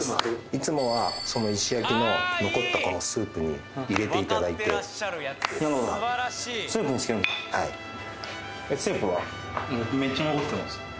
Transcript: いつもはその石焼きの残ったスープに入れていただいてなるほどスープにつける？